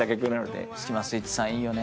スキマスイッチさんいいよね。